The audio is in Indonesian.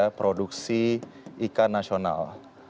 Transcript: begitu ya produksi ikan nasional